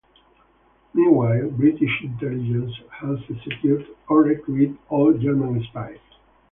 Meanwhile, British Intelligence has executed or recruited all German spies.